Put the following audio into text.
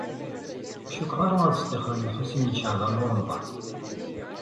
Ur cukkteɣ ara ad d-stixren Lḥusin n Caɛban u Ṛemḍan.